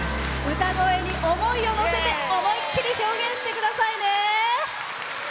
歌声に思いをのせて思いっきり表現してくださいね。